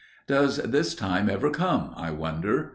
Does this time ever come, I wonder?